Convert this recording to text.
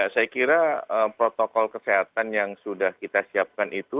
saya kira protokol kesehatan yang sudah kita siapkan itu